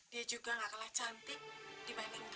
dia juga nggak kalah cantik dibandingkan buah